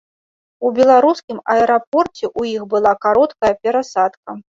У беларускім аэрапорце ў іх была кароткая перасадка.